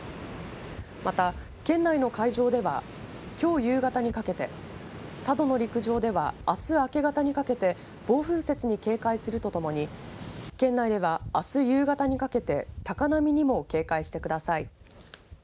また、県内の海上ではきょう夕方にかけて佐渡の陸上ではあす明け方にかけて暴風雪に警戒するとともに県内では、あす夕方にかけて高波にも警戒してください。